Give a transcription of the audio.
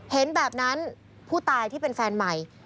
เห็นแบบนั้นผู้ตายที่เป็นแฟนใหม่